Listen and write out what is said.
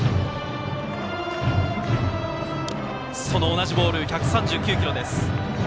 同じボール、１３９キロ。